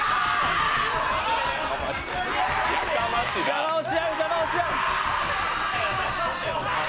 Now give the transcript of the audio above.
邪魔をし合う邪魔をし合う！